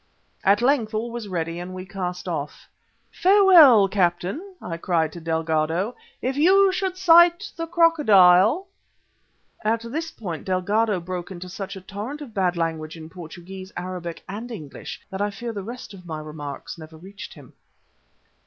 At length all was ready and we cast off. "Farewell, Captain," I cried to Delgado. "If you should sight the Crocodile " At this point Delgado broke into such a torrent of bad language in Portuguese, Arabic and English that I fear the rest of my remarks never reached him.